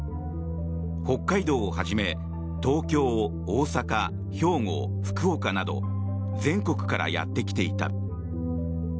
北海道をはじめ東京、大阪、兵庫、福岡など全国からやってきていた。